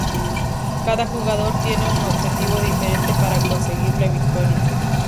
Cada jugador tiene un objetivo diferente para conseguir la victoria.